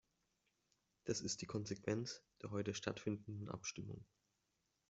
Das ist die Konsequenz der heute stattfindenden Abstimmung.